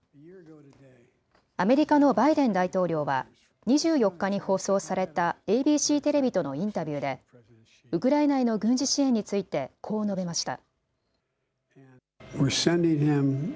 アメリカのバイデン大統領は２４日に放送されたＡＢＣテレビとのインタビューでウクライナへの軍事支援についてこう述べました。